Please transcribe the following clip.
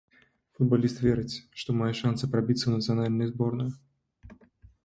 Футбаліст верыць, што мае шанцы прабіцца ў нацыянальную зборную.